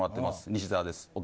西澤です。